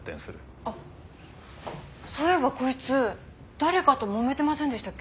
あっそういえばこいつ誰かともめてませんでしたっけ？